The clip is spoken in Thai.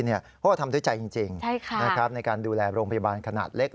เพราะว่าทำด้วยใจจริงในการดูแลโรงพยาบาลขนาดเล็ก